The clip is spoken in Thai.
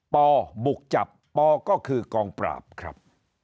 ปบุกจับปก็คือกองปราบครับ